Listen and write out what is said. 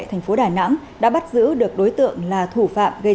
thành phố đà nẵng đã bắt giữ được đối tượng là thủ phạm gây